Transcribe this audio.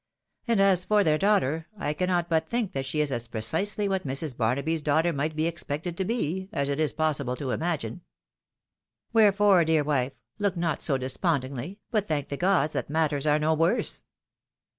And as for their daughter, I cannot but think that she is as precisely what Mrs. Barnaby's daughter, might be expected to be, as it is possible to imagine. Wherefore, dear wife, look not so despond ingly, but thank the gods that matters are no worse."